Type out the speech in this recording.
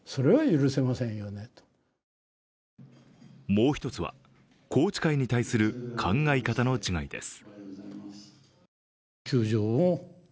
もう一つは、宏池会に対する考え方の違いです。